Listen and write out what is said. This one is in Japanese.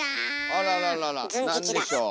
あらららら何でしょう？